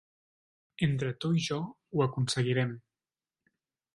Entre tu i jo ho aconseguirem.